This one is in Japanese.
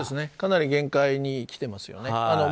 かなり限界にきていますよね。